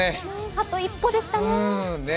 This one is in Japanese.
あと一歩でしたね。